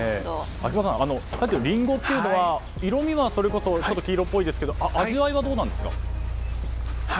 秋葉さん、リンゴは色味はそれこそ黄色っぽいですが味わいはどうですか？